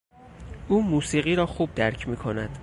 او موسیقی را خوب درک می کند.